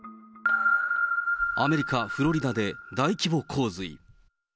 アメリカ・フロリダで大規模洪水。